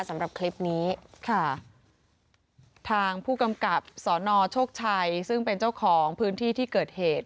สำหรับคลิปนี้ค่ะทางผู้กำกับสนโชคชัยซึ่งเป็นเจ้าของพื้นที่ที่เกิดเหตุ